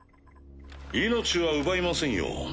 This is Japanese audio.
命は奪いませんよ。